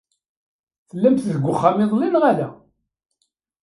Tellamt deg uxxam iḍelli, neɣ ala?